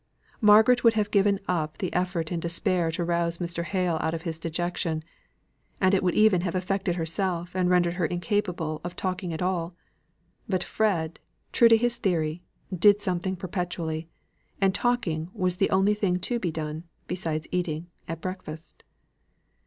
Margaret would have given up the effort in despair to rouse Mr. Hale out of his dejection; it would even have affected herself and rendered her incapable of talking at all. But Fred, true to his theory, did something perpetually; and talking was the only thing to be done, besides eating, at breakfast.